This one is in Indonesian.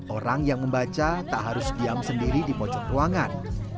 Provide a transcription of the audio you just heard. orang yang membaca tak harus diam sendiri di pojok ruangan